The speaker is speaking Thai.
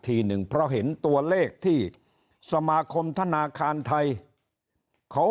ทีหนึ่งเพราะเห็นตัวเลขที่สมาคมธนาคารไทยเขา